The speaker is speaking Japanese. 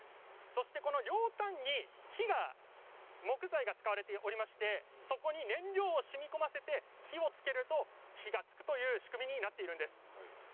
両端に木材が使われておりましてそこに燃料をしみこませて火をつけると火がつくという仕組みになっているんです。